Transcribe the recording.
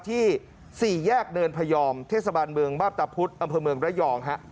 สี่แยกเนินพยอมเทศบาลเมืองมาพตะพุธอำเภอเมืองระยองฮะ